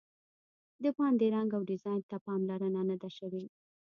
د باندې رنګ او ډیزاین ته پاملرنه نه ده شوې.